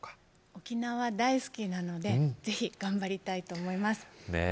沖縄大好きなので是非頑張りたいと思いますねぇ